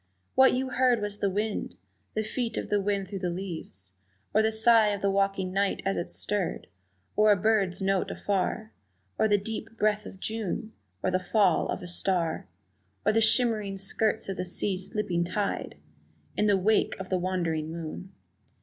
what you heard was the wind, The feet of the wind through the leaves, Or the sigh of the waking night as it stirred. Or a bird's note afar, Or the deep breath of June, Or the fall of a star, Or the shimmering skirts of the sea slipping tide In the wake of the wandering moon!